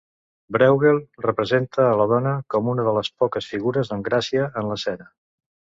Brueghel representa a la dona com una de les poques figures amb gràcia en l'escena.